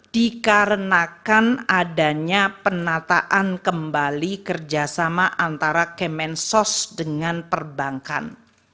dikarenakan adanya penataan kembali kerjasama antara kemensos dengan perbankan